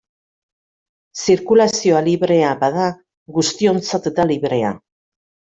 Zirkulazioa librea bada, guztiontzat da librea.